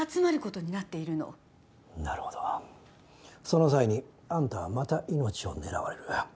その際にあんたはまた命を狙われる。